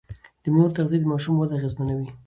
د مور تغذيه د ماشوم وده اغېزمنوي.